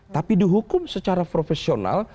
tapi dihukum secara profesional